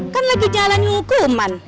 kan lagi jalani hukuman